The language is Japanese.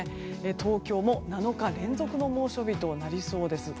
東京も７日連続の猛暑日となりそうです。